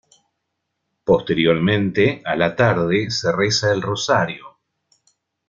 Posteriormente, a la tarde, se reza el rosario.